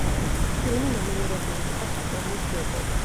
ფილმი ნომინირებული იყო სატურნის ჯილდოზე.